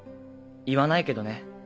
言わないけどね。